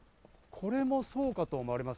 これがそれかと思われます。